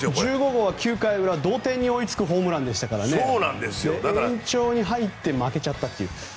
１５号は９回裏同点に追いつくホームランでしたが延長に入って負けちゃったっていう。